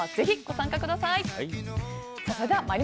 皆様、ぜひご参加ください。